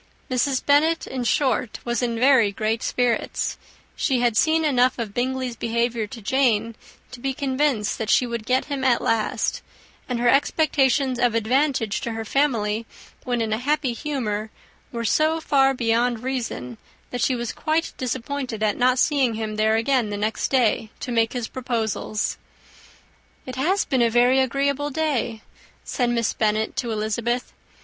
[Illustration: "M^{rs}. Long and her nieces." ] Mrs. Bennet, in short, was in very great spirits: she had seen enough of Bingley's behaviour to Jane to be convinced that she would get him at last; and her expectations of advantage to her family, when in a happy humour, were so far beyond reason, that she was quite disappointed at not seeing him there again the next day, to make his proposals. "It has been a very agreeable day," said Miss Bennet to Elizabeth.